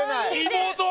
妹！